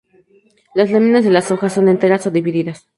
Las láminas de las hojas son enteras o divididas.